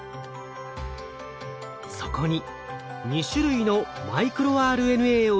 そこに２種類のマイクロＲＮＡを入れると。